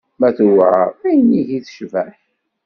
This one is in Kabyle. Ma tuɛer ayen ihi i tecbeḥ?